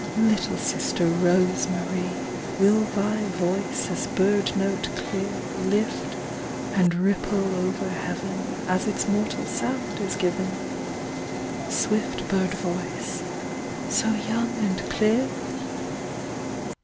Little Sister Rose Marie, Will thy voice as bird note clear Lift and ripple over Heaven As its mortal sound is given, Swift bird voice, so young and clear?